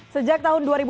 sejak tahun dua ribu dua